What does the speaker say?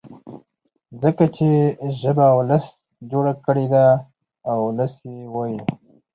ځکه چي ژبه ولس جوړه کړې ده او ولس يې وايي.